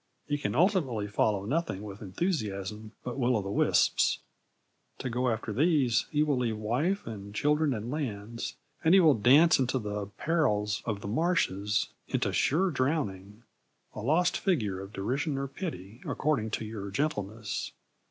He can ultimately follow nothing with enthusiasm but will o' the wisps. To go after these he will leave wife and children and lands, and he will dance into the perils of the marshes, into sure drowning a lost figure of derision or pity, according to your gentleness.